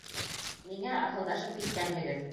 Ниңә аһылдашып киткәнһегеҙ?